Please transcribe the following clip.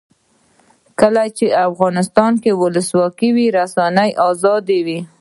کله چې افغانستان کې ولسواکي وي رسنۍ آزادې وي.